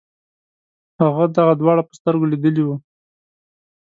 هغه دغه دواړه په سترګو لیدلي وو.